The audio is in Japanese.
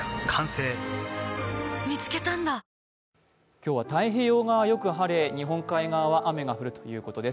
今日は太平洋側、よく晴れ、日本海側は雨が降るということです。